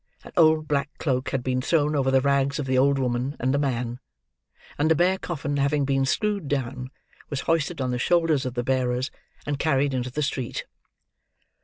An old black cloak had been thrown over the rags of the old woman and the man; and the bare coffin having been screwed down, was hoisted on the shoulders of the bearers, and carried into the street.